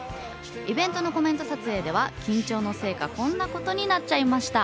イベントのコメント撮影では緊張のせいか、こんなことになっちゃいました。